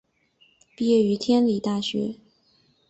毕业于天理大学。